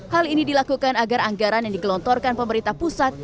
hal ini dilakukan agar anggaran yang digelontorkan pemerintah pusat